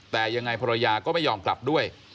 แต่ยังไงภรรยาก็ไม่ยอมกลับด้วย